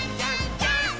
ジャンプ！！